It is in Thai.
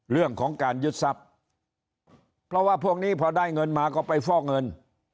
เรื่องของการยึดทรัพย์เพราะว่าพวกนี้พอได้เงินมาก็ไปฟอกเงิน